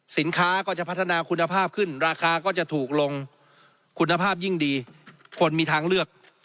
สินค้าก็จะพัฒนาคุณภาพขึ้นราคาก็จะถูกลงคุณภาพยิ่งดีคนมีทางเลือก